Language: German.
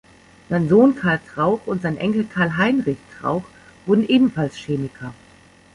Sein Sohn Carl Krauch und sein Enkel Carl Heinrich Krauch wurden ebenfalls Chemiker.